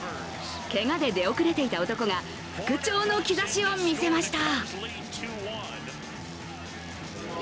けがで出遅れていた男が復調の兆しを見せました。